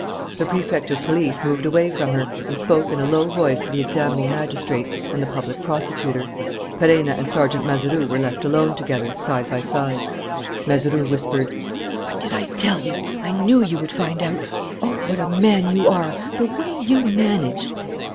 The Prefect of Police moved away from her and spoke in a low voice to the examining magistrate and the public prosecutor. Perenna and Sergeant Mazeroux were left alone together, side by side. Mazeroux whispered: "What did I tell you? I knew you would find out! Oh, what a man you are! The way you managed!"